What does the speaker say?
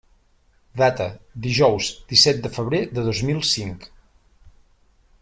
Data: dijous, disset de febrer de dos mil cinc.